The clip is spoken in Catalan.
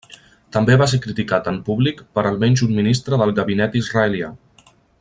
També va ser criticat en públic per almenys un ministre del gabinet israelià.